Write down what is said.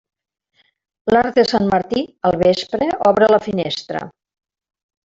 L'arc de Sant Martí al vespre, obre la finestra.